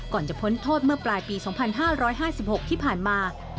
จะพ้นโทษเมื่อปลายปี๒๕๕๖ที่ผ่านมา